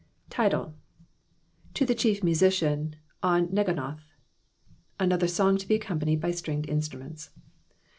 « TiTLB.— To the Chief Musician on Neginoth.— 4nof^ song io he cLccompanied by stringed instruments.